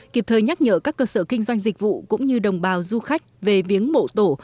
kịp thời nhắc nhở các cơ sở kinh doanh dịch vụ cũng như đồng bào du khách về biếng mộ tổ